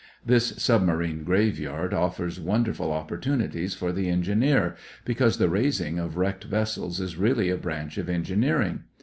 This submarine graveyard offers wonderful opportunities for the engineer, because the raising of wrecked vessels is really a branch of engineering.